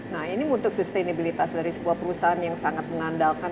nah ini untuk sustenabilitas dari sebuah perusahaan yang sangat mengandalkan